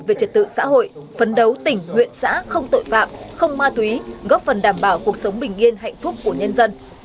về trật tự xã hội phấn đấu tỉnh huyện xã không tội phạm không ma túy góp phần đảm bảo cuộc sống bình yên hạnh phúc của nhân dân